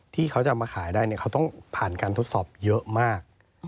ที่เขาจะเอามาขายได้เขาต้องผ่านการทดสอบเยอะมาก